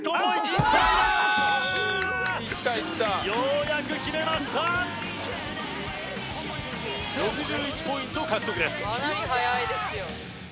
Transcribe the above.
いったいったようやく決めました６１ポイント獲得ですかなりはやいですよ